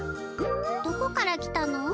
どこから来たの？